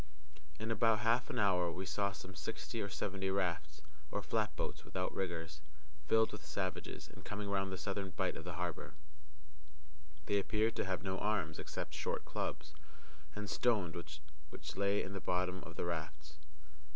In about half an hour we saw some sixty or seventy rafts, or flatboats, without riggers, filled with savages, and coming round the southern bight of the harbor. They appeared to have no arms except short clubs, and stones which lay in the bottom of the rafts.